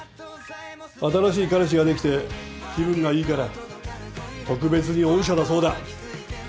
新しい彼氏ができて気分がいいから特別に恩赦だそうだ。